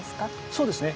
そうですね。